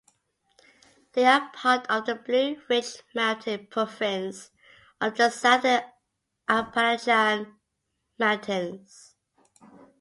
They are part of the Blue Ridge Mountain Province of the Southern Appalachian Mountains.